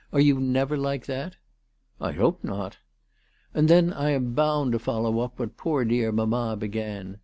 Are you never like that ?"" I hope not." " And then I am bound to follow up what poor dear mamma began.